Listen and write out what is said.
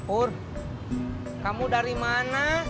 hi por kamu dari mana